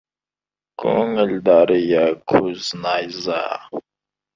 Көңіл — дария, көз — найза.